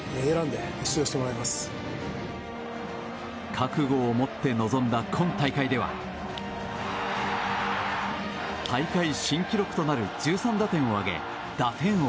覚悟を持って臨んだ今大会では大会新記録となる１３打点を挙げ打点王。